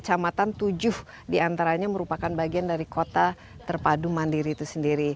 dan di sini ada juga kawasan transmigrasi yang dilakukan bagian dari kota terpadu mandiri itu sendiri